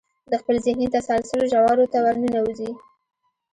د خپل ذهني تسلسل ژورو ته ورننوځئ.